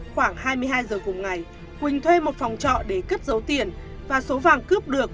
khoảng hai mươi hai giờ cùng ngày huỳnh thuê một phòng trọ để cất dấu tiền và số vàng cướp được